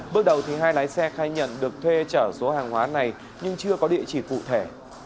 bước đầu thì hai lái xe khai nhận được thuê chở số hàng hóa này nhưng chưa có địa chỉ cụ thể